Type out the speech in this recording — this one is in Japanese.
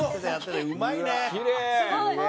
うまいね！